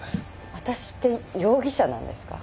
私って容疑者なんですか？